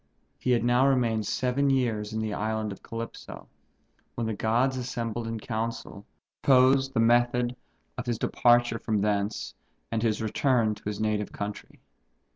He had now remained seven years in the Island of Calypso, when the gods assembled in council, proposed the method of his departure from thence and his return to his native country.